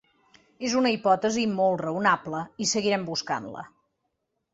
És una hipòtesi molt raonable i seguirem buscant-la.